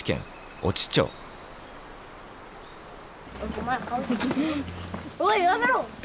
おいやめろ！